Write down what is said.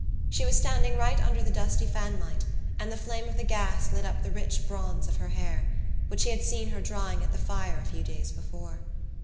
She was standing right under the dusty fanlight and the flame of the gas lit up the rich bronze of her hair, which he had seen her drying at the fire a few days before.